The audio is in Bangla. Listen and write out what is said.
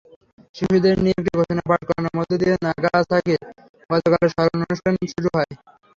শিশুদের দিয়ে একটি ঘোষণা পাঠ করানোর মধ্য দিয়ে নাগাসাকির গতকালের স্মরণানুষ্ঠান শুরু হয়।